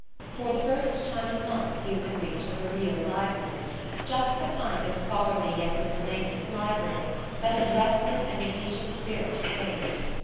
For the first time in months he was in reach of a real library, just the kind of scholarly yet miscellaneous library, that his restless and impatient spirit craved.